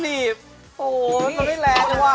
ลิปสิกเหรอ